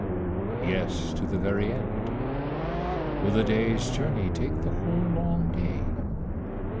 Yes, to the very end. Will the day's journey take the whole long day?